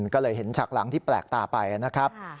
ก็เลยเห็นฉากหลังที่แปลกตาไปนะครับ